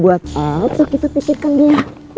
buat untuk kita pikirkan dia